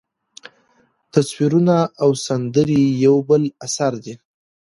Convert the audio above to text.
تصویرونه او سندرې یو بل اثر دی.